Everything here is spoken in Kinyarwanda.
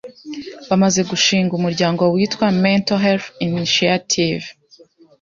bamaze gushinga umuryango witwa “Mental Health Initiative”